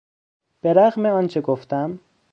به رغم آنچه گفتم